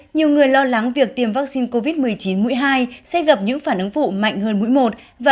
nhiều người lo lắng việc tiêm vaccine covid một mươi chín mũi hai sẽ gặp những phản ứng phụ mạnh hơn mũi một và